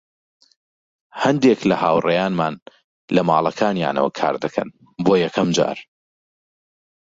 هەندێک لە هاوڕێیانمان لە ماڵەکانیانەوە کاردەکەن، بۆ یەکەم جار.